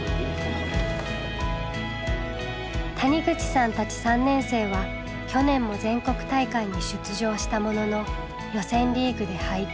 谷口さんたち３年生は去年も全国大会に出場したものの予選リーグで敗退。